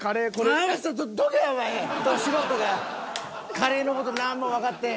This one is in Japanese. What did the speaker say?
カレーの事何もわかってへん。